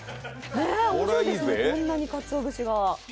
こんなにかつお節が。